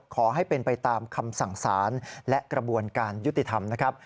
ขอให้เป็นไปตามคำสั่งสารและกระบวนการยุติธรรมนะครับ